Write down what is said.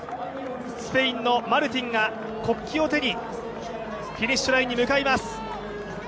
スペインのマルティンが国旗を手にフィニッシュラインに向かいます。